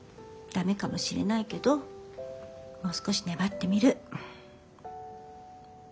ダメかもしれないけどもう少し粘ってみる。